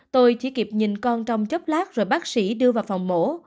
tôi chỉ kịp nhìn con trong chốc lát rồi bác sĩ đưa vào phòng mổ